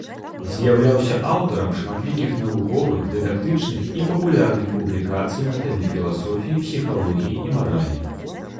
З'яўляўся аўтарам шматлікіх навуковых, дыдактычных і папулярных публікацый на тэмы філасофіі, псіхалогіі і маралі.